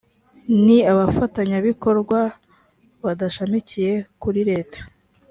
ni abafatanyabikorwa badashamikiye kuri leta